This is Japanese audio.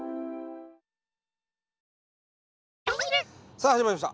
さあ始まりました